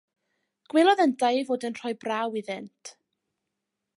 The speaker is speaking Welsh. Gwelodd yntau ei fod yn rhoi braw iddynt.